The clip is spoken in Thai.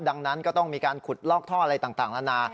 ดังนั้นก็ต้องมีการขุดลอกท่ออะไรต่างนานา